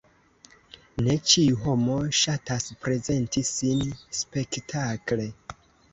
Ne ĉiu homo ŝatas prezenti sin spektakle.